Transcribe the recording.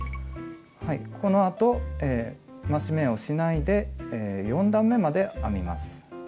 このあと増し目をしないで４段めまで編みます。